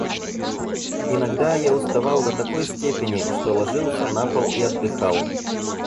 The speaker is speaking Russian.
Иногда я уставал до такой степени, что ложился на пол и отдыхал.